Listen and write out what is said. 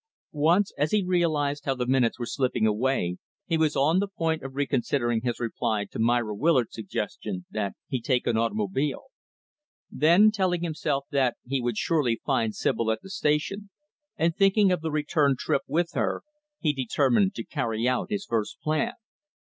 Once, as he realized how the minutes were slipping away, he was on the point of reconsidering his reply to Myra Willard's suggestion that he take an automobile. Then, telling himself that he would surely find Sibyl at the Station and thinking of the return trip with her, he determined to carry out his first plan.